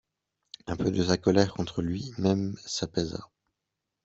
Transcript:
Un peu de sa colère contre lui-même s'apaisa.